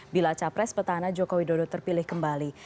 bila capres petana jokowi dodo terpilih kembali